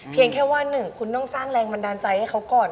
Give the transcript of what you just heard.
แค่ว่าหนึ่งคุณต้องสร้างแรงบันดาลใจให้เขาก่อน